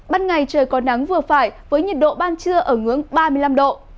ban ngày trời có nắng vừa phải với nhiệt độ ban trưa ở ngưỡng ba mươi năm độ